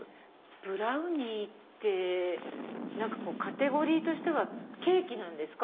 ブラウニーってカテゴリーはケーキなんですか？